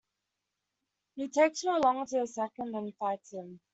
He takes her along to the second, and fights him.